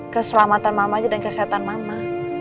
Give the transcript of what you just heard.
keselamatan mama aja dan kesehatan mama